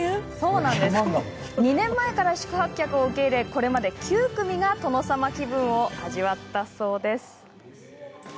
２年前から宿泊客を受け入れこれまで９組が殿様気分を味わったそうです。